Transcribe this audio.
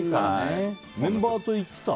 メンバーと行ってた？